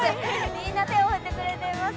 みんな手を振ってくれています。